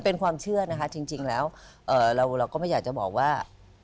เป็นความเชื่อนะคะจริงแล้วเราก็ไม่อยากจะบอกว่า